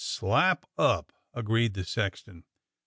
"Slap up," agreed the sexton.